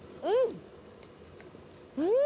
うん！